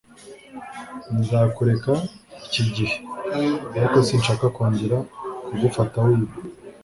Nzakureka iki gihe, ariko sinshaka kongera kugufata wiba.